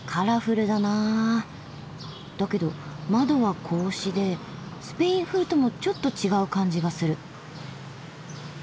だけど窓は格子でスペイン風ともちょっと違う感じがする。